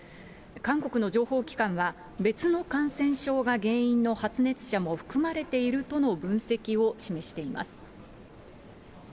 韓国の情報機関は、別の感染症が原因の発熱者も含まれているとの分析を示しています。